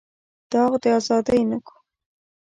داغ د ازادۍ نه کوم.